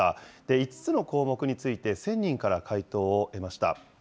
５つの項目について１０００人から回答を得ました。